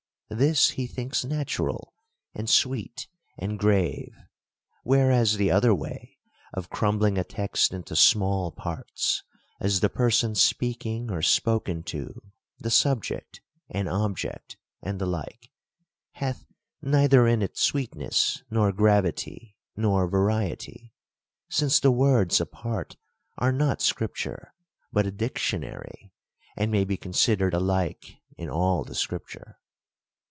This he thinks natural, and sweet, and grave. Whereas the other way, of crumbling a text into small parts, (as, the pei son speaking or spoken to, the subject, and object, and the like,) hath neither in it sweetness, nor gravity, nor variety; since the words apart are not scripture, but a dictionary, and may be considered alike in all the scripture.